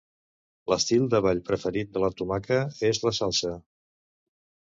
L'estil de ball preferit de la tomaca és la salsa.